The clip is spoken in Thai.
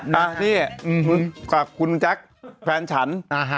นี่กับคุณจ๊ะก์แฟนฉัน